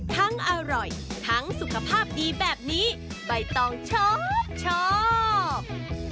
ทั้งอร่อยทั้งสุขภาพดีแบบนี้ใบต้องชอบ